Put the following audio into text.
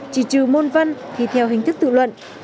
chỉ trừ môn văn thì theo hình thức tự luận